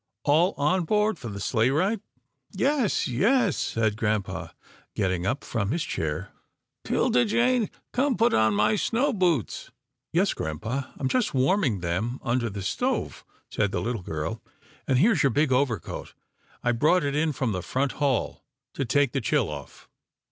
" All on board for the sleigh ride." " Yes, yes," said grampa, getting up from his chair. " 'Tilda Jane, come put on my snow boots." " Yes, grampa, I'm just warming them under the stove," said the little girl, " and here's your big overcoat. I brought it in from the front hall to take the chill off."